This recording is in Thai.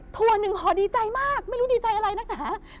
ถั่วหนึ่งห่อดีใจมากไม่รู้ดีใจอะไรนักหนา